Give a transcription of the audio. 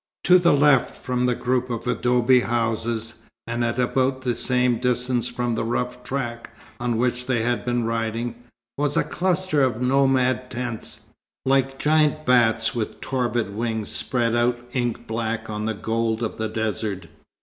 To the left from the group of adobe houses, and at about the same distance from the rough track on which they had been riding, was a cluster of nomad tents, like giant bats with torpid wings spread out ink black on the gold of the desert.